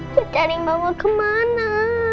saya cari mama kemana